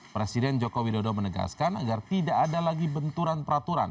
presiden joko widodo menegaskan agar tidak ada lagi benturan peraturan